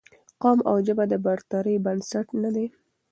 قوم او ژبه د برترۍ بنسټ نه دي